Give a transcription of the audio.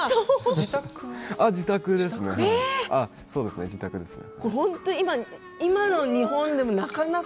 自宅ですか？